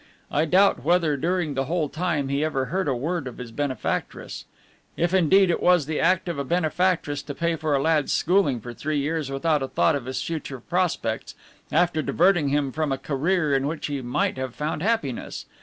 I doubt whether during the whole time he ever heard a word of his benefactress if indeed it was the act of a benefactress to pay for a lad's schooling for three years without a thought of his future prospects, after diverting him from a career in which he might have found happiness.